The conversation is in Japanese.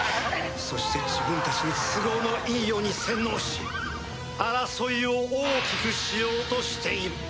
そして自分たちの都合のいいように洗脳し争いを大きくしようとしている。